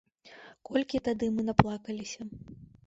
Колькі тады мы наплакаліся!